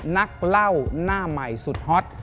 นักเล่าหน้าใหม่สุดฮอต